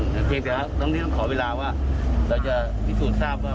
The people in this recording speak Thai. การที่จะรบสู่มูลนี้ก็จะไม่คงเป็นงาน